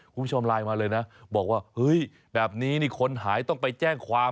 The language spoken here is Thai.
คุณผู้ชมไลน์มาเลยนะบอกว่าเฮ้ยแบบนี้นี่คนหายต้องไปแจ้งความ